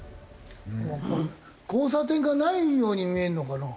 交差点がないように見えるのかな？